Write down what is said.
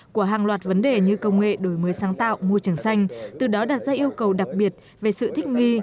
của hàng loạt vấn đề như công nghệ đổi mới sáng tạo môi trường xanh từ đó đặt ra yêu cầu đặc biệt về sự thích nghi